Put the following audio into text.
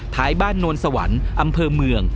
ท้ายบ้านโนนสวรรค์อำเภอเมือง